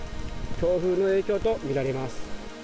強風の影響とみられます。